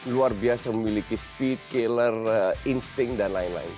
luar biasa memiliki speed caller insting dan lain lain